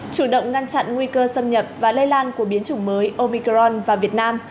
chủ động ngăn chặn nguy cơ xâm nhập và lây lan của biến chủng mới opicron vào việt nam